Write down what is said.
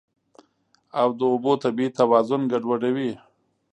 او د اوبو طبیعي توازن ګډوډوي.